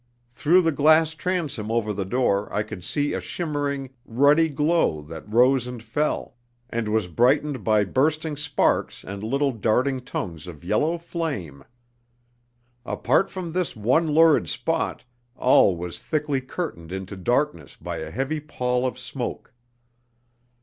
Through the glass transom over the door I could see a shimmering, ruddy glow that rose and fell, and was brightened by bursting sparks and little darting tongues of yellow flame. Apart from this one lurid spot all was thickly curtained into darkness by a heavy pall of smoke.